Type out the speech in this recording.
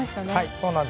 そうなんです。